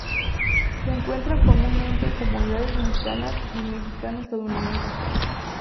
Se encuentran comúnmente en comunidades mexicanas y mexicano-estadounidenses.